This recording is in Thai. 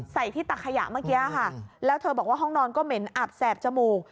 ใส่ที่ตักขยะเมื่อกี้ค่ะแล้วเธอบอกว่าห้องนอนก็เหม็นอับแสบจมูก